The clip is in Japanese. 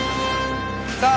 さあ